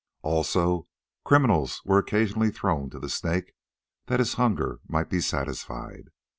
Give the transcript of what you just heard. Also criminals were occasionally thrown to the Snake that his hunger might be satisfied.